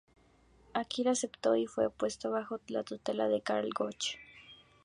Akira aceptó y fue puesto bajo la tutela de Karl Gotch.